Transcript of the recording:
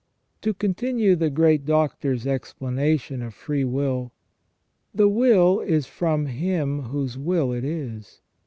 * To continue the great Doctor's explanation of free will :" The will is from him whose will it is.